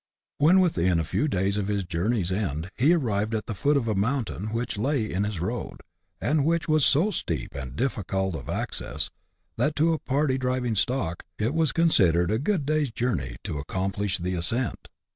When within a few days of his journey's end he arrived at the foot of a mountain which lay in his road, and w'hich was so steep and difficult of access, that, to a party driving stock, it was considered a good day's journey to accom plish the ascent.